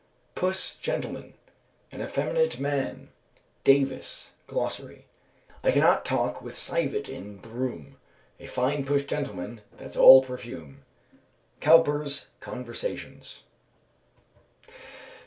Puss gentleman. An effeminate man. DAVIS, Glossary. "I cannot talk with civet in th' room, A fine puss gentleman that's all perfume." COWPER'S _Conversations.